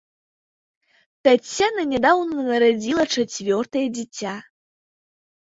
Таццяна нядаўна нарадзіла чацвёртае дзіця.